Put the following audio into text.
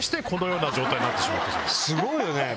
すごいよね。